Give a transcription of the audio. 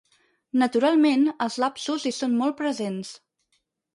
Naturalment, els lapsus hi són molt presents.